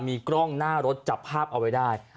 มีกล้องหน้ารถจับภาพเอาไว้ได้